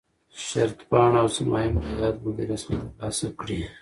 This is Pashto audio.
شرطپاڼه او ضمایم له یاد مدیریت څخه ترلاسه کړي.